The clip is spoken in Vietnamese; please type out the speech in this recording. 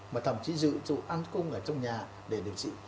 mà thậm chí dụ dụ an cung ở trong nhà để điều trị